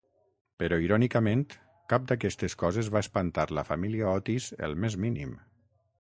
Però irònicament, cap d'aquestes coses va espantar la família Otis el més mínim.